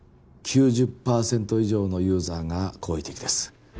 ９０％以上のユーザーが好意的です